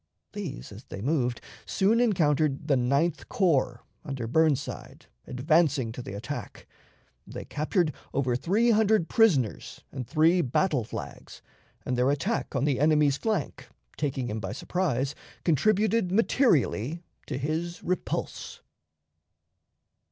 These, as they moved, soon encountered the Ninth Corps, under Burnside, advancing to the attack. They captured over three hundred prisoners and three battle flags, and their attack on the enemy's flank, taking him by surprise, contributed materially to his repulse.